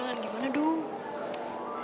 ya dengan gimana dong